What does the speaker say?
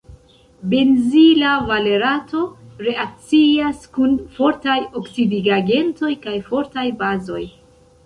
Benzila valerato reakcias kun fortaj oksidigagentoj kaj fortaj bazoj.